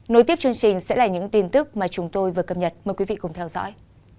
nối tiếp chương trình sẽ là những tin tức mà chúng tôi vừa cập nhật mời quý vị cùng theo dõi